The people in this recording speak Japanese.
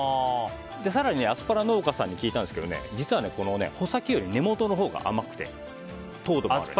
更にアスパラ農家さんに聞いたんですが実は穂先より根元のほうが甘くて糖度があるんです。